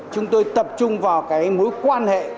chúng tôi tập trung vào mối quan hệ